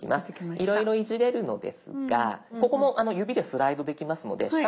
いろいろいじれるのですがここも指でスライドできますので下の方も見てみましょう。